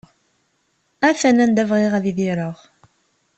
Atan anda bɣiɣ ad idireɣ!